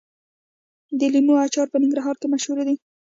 د لیمو اچار په ننګرهار کې مشهور دی.